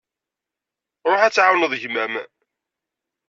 Ruḥ ad tɛawneḍ gma-m.